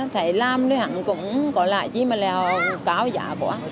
thế làm thì hẳn cũng có lại chứ mà lại cao giá quá